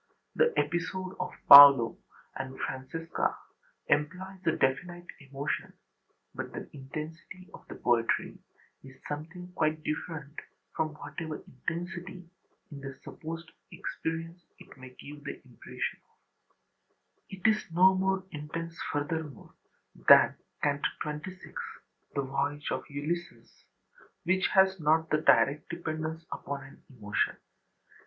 The episode of Paolo and Francesca employs a definite emotion, but the intensity of the poetry is something quite different from whatever intensity in the supposed experience it may give the impression of. It is no more intense, furthermore, than Canto XXVI, the voyage of Ulysses, which has not the direct dependence upon an emotion.